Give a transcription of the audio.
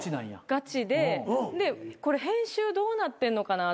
ガチででこれ編集どうなってんのかなって。